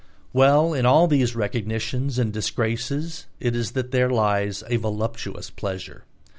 Well, in all these recognitions and disgraces it is that there lies a voluptuous pleasure.